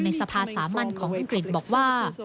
สภาสามัญของอังกฤษบอกว่า